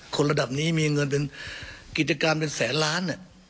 คนระดับนี้มีเงินเป็นกิจการเป็นแสนล้าน